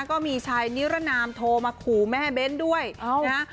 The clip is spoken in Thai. ก็มีชายนิรนามโทรมาขู่แม่เบ้นด้วยนะฮะ